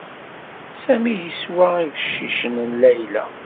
Sami yeswa ibeccicen n Layla.